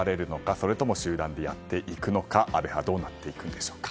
それとも集団でやっていくのか安倍派どうなっていくんでしょう。